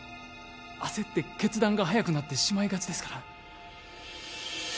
焦って決断が早くなってしまいがちですから